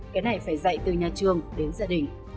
cái này phải dạy từ nhà trường đến gia đình